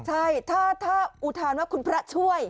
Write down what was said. ใช่ถ้าอุทานว่าคุณพระช่วย